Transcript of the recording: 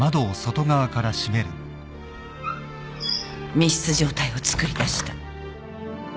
密室状態を作り出した。